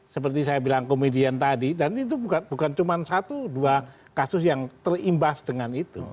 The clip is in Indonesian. seperti saya bilang komedian tadi dan itu bukan cuma satu dua kasus yang terimbas dengan itu